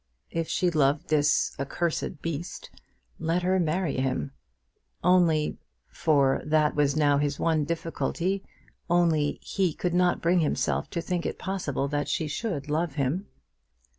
If she loved this "accursed beast," let her marry him; only, for that was now his one difficulty, only he could not bring himself to think it possible that she should love him.